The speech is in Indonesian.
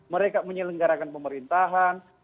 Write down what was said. mereka menyelenggarakan pemerintahan